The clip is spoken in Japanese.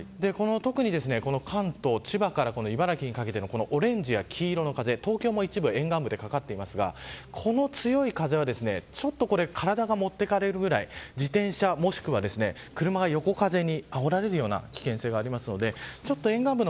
特にこの関東、千葉から茨城にかけてオレンジや黄色の風東京も一部沿岸部にかかっていますがこの強い風は、ちょっと体が持っていかれるくらい自転車もしくは車が横風にあおられるような危険性があります。